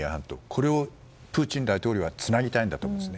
これをプーチン大統領はつなぎたいんだと思います。